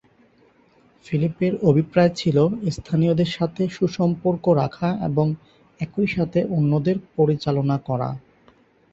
ফিলিপের অভিপ্রায় ছিল স্থানীয়দের সাথে সুসম্পর্ক রাখা এবং একই সাথে অন্যদের পরিচালনা করা।